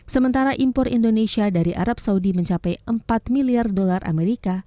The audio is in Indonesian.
sementara impor indonesia dari arab saudi mencapai empat miliar dolar amerika